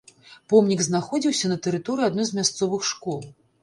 Помнік знаходзіўся на тэрыторыі адной з мясцовых школ.